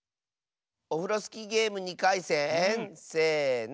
オフロスキーゲーム２かいせんせの。